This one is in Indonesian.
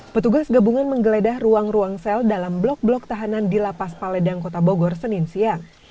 petugas gabungan menggeledah ruang ruang sel dalam blok blok tahanan di lapas paledang kota bogor senin siang